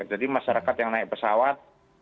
jadi masyarakat yang naik pesawat